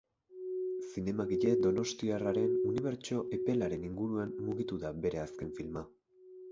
Zinemagile donostiarraren unibertso epelaren inguruan mugitu da bere azken filma.